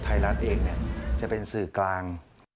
ไทยรัฐเองจะเป็นสื่อกลาง